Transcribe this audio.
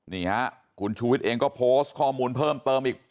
นี่ฮะคุณชูวิทย์เองก็โพสต์ข้อมูลเพิ่มเติมอีก